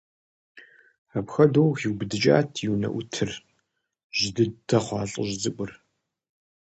Апхуэдэу хиубыдыкӀат и унэӀутыр - жьы дыдэ хъуа лӀыжь цӀыкӀур.